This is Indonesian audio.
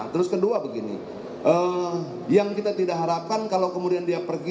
terus kedua begini yang kita tidak harapkan kalau kemudian dia pergi